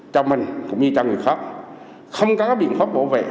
cho mình cũng như cho người khác không có biện pháp bảo vệ